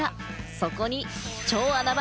そこに超穴場！